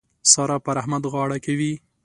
سارا پر احمد غاړه کوي.